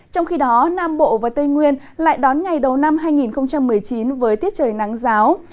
trong khi đó nam bộ và tây nguyên lại đón ngày đầu năm hai nghìn một mươi chín với tiết trời nắng giáo